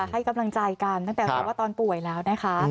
ให้กำลังใจกันตั้งแต่รู้ว่าตอนป่วยแล้วนะคะ